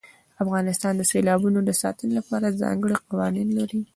افغانستان د سیلابونو د ساتنې لپاره ځانګړي قوانین لري.